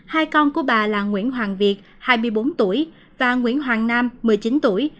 hai con của bà là nguyễn hoàng việt hai mươi bốn tuổi và nguyễn hoàng nam một mươi chín tuổi